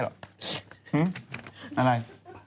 หึอะไร